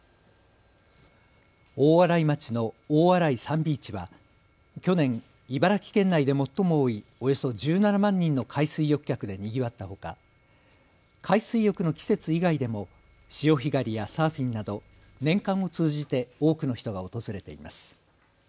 大洗町の大洗サンビーチは去年、茨城県内で最も多いおよそ１７万人の海水浴客でにぎわったほか海水浴の季節以外でも潮干狩りやサーフィンなど年間を通じて多くの人が訪れています。